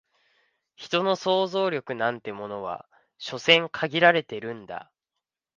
人の想像力なんてものは所詮限られてるんだ